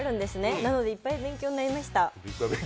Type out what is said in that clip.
なのでいっぱい勉強になりました。